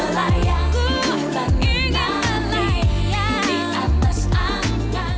kayaknya kecil banget sih lo